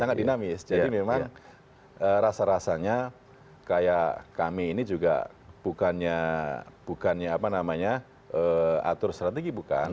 sangat dinamis jadi memang rasa rasanya kayak kami ini juga bukannya apa namanya atur strategi bukan